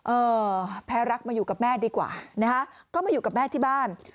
เออแพ้รักมาอยู่กับแม่ดีกว่านะฮะก็มาอยู่กับแม่ที่บ้าน